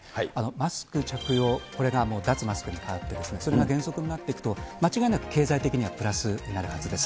マスク着用、これがもう脱マスクに変わって、それが原則になっていくと、間違いなく経済的にはプラスになるはずです。